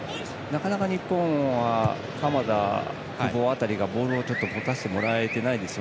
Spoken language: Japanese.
なかなか日本は鎌田、久保辺りがボールを持たせてもらえてないです。